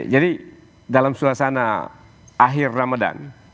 jadi dalam suasana akhir ramadhan